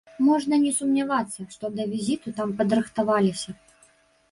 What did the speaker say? Можна не сумнявацца, што да візіту там падрыхтаваліся.